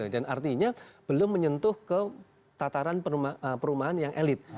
dan artinya belum menyentuh ke tataran perumahan yang elit